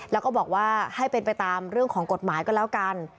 แล้วก็บอกว่าให้เป็นไปตามเรื่องของกฎหมายก็แล้วกัน